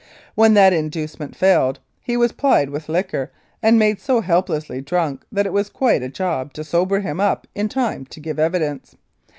When that inducement failed he was plied with liquor and made so helplessly drunk that it was quite a job to sober him up in time to give evidence.